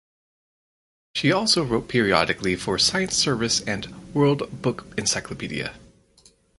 She also wrote periodically for Science Service and "World Book Encyclopedia".